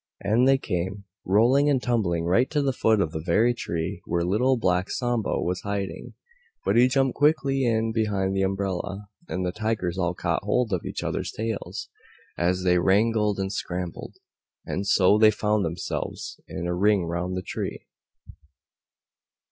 And they came, rolling and tumbling right to the foot of the very tree where Little Black Sambo was hiding, but he jumped quickly in behind the umbrella. And the Tigers all caught hold of each other's tails, as they wrangled and scrambled, and so they found themselves in a ring round the tree.